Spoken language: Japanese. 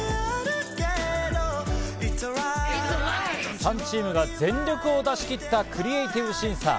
３チームが全力を出し切ったクリエイティブ審査。